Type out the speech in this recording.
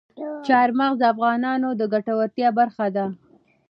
چار مغز د افغانانو د ګټورتیا برخه ده.